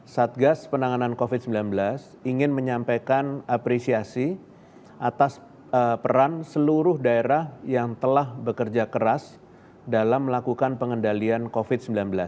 satgas penanganan covid sembilan belas ingin menyampaikan apresiasi atas peran seluruh daerah yang telah bekerja keras dalam melakukan pengendalian covid sembilan belas